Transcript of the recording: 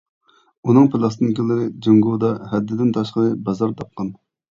ئۇنىڭ پىلاستىنكىلىرى جۇڭگودا ھەددىدىن تاشقىرى بازار تاپقان.